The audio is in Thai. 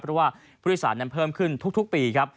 เพราะว่าผู้โดยสารนั้นเพิ่มขึ้นทุกปีครับ